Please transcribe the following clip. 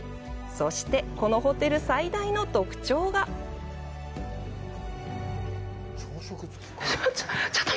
そして、このホテル最大の特徴がちょっと！